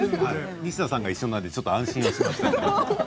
西田さんが一緒なので安心しました。